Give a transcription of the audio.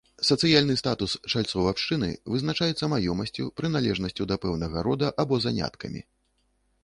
Сацыяльны статус чальцоў абшчыны вызначаецца маёмасцю, прыналежнасцю да пэўнага рода або заняткамі.